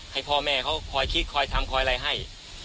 ให้พ่อแม่เขาคอยคิดคอยทำคอยอะไรให้